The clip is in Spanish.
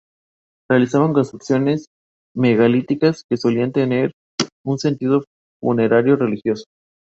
Realizaban construcciones megalíticas, que solían tener un sentido funerario-religioso.